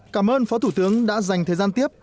cảm ơn phó thủ tướng đã dành thời gian tiếp